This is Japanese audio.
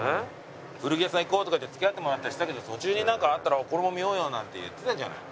「古着屋さん行こう」とか言って付き合ってもらったりしたけど途中になんかあったら「これも見ようよ」なんて言ってたじゃない。